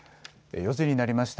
４時になりました。